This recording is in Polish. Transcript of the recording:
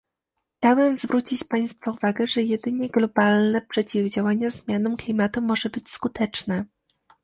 Chciałbym zwrócić państwa uwagę, że jedynie globalne przeciwdziałanie zmianom klimatu może być skuteczne